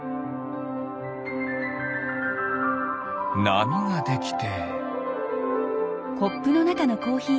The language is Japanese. なみができて。